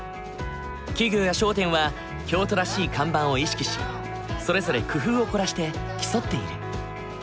企業や商店は京都らしい看板を意識しそれぞれ工夫を凝らして競っている。